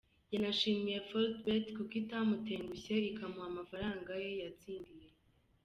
Yanashimiye Fortebet kuko itamutengushye, ikamuha amafaranga ye yatsindiye.